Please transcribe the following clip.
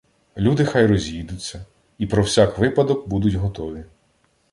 Люди хай розійдуться і про всяк випадок будуть готові.